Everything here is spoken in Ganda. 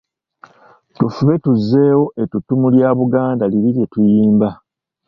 Tufube tuzzeewo ettutumu lya Buganda liri lye tuyimba.